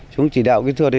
chúng chỉ đạo kỹ thuật